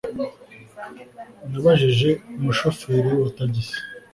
nabajije umushoferi wa tagisi